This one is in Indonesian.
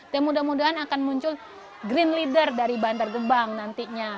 dan mudah mudahan akan muncul green leader dari bandar gebang nantinya